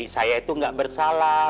saya itu nggak bersalah